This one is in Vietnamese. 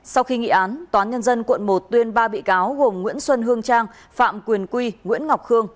sau khi nghị án toán nhân dân quận một tuyên ba bị cáo gồm nguyễn xuân hương trang phạm quyền quy nguyễn ngọc khương